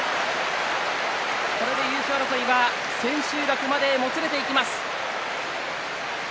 これで優勝争いが千秋楽までもつれていきます。